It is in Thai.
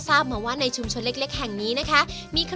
ทราบมาว่าในชุมชนเล็กแห่งนี้นะคะมีขนมจีนน้ำ